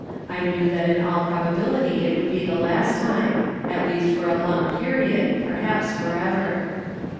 I knew that in all probability it would be the last time; at least for a long period, perhaps forever.